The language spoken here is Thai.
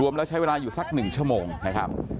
แล้วใช้เวลาอยู่สัก๑ชั่วโมงนะครับ